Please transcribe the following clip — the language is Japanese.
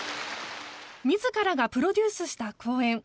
自らがプロデュースした公演。